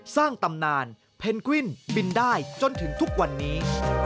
สร้างตำนานเพนกวินบินได้จนถึงทุกวันนี้